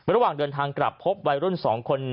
ระหว่างเดินทางกลับพบวัยรุ่น๒คน